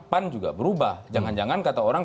pan juga berubah jangan jangan kata orang